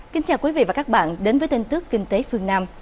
kính chào quý vị và các bạn đến với tin tức kinh tế phương nam